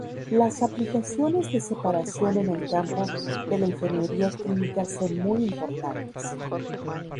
Las aplicaciones de separación en el campo de la ingeniería química son muy importantes.